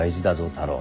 太郎。